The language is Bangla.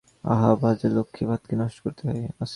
আহা, ভাত যে লক্ষ্মী, ভাত কি নষ্ট করতে আছে।